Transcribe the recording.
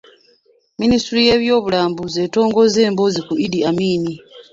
Minisitule y'ebyobulambuzi etongozza emboozi ku Idi Amin.